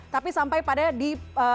tapi sampai pada di